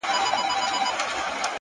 نیکي د انسان نوم ژوندی ساتي.